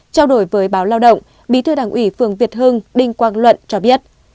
trao đổi với báo lao động bí thư đảng ủy phường việt hưng đinh quang luận cho biết